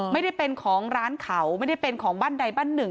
ไม่ได้เป็นของร้านเขาไม่ได้เป็นของบ้านใดบ้านหนึ่ง